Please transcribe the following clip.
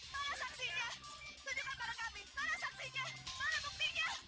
mana saksinya tunjukkan pada kami mana saksinya mana buktinya